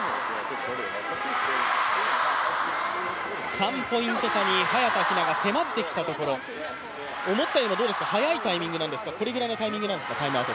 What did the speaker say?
３ポイント差に早田ひなが迫ってきたところ、思ったより早いタイミングなんですか、これぐらいのタイミングなんですか？